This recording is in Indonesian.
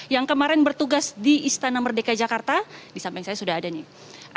yang kemarin bertugas di istana merdeka jakarta di samping saya sudah ada nih